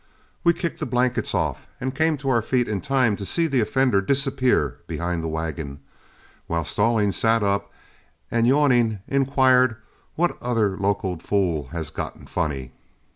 We kicked the blankets off, and came to our feet in time to see the offender disappear behind the wagon, while Stallings sat up and yawningly inquired "what other locoed fool had got funny."